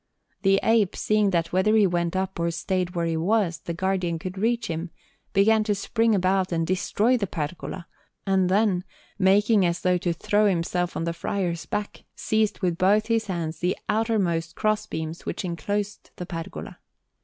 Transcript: The ape, seeing that whether he went up or stayed where he was, the Guardian could reach him, began to spring about and destroy the pergola, and then, making as though to throw himself on the friar's back, seized with both his hands the outermost crossbeams which enclosed the pergola.